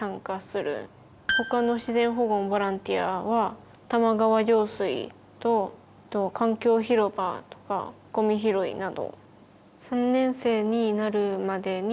他の自然保護のボランティアは玉川上水と環境広場とかごみ拾いなど。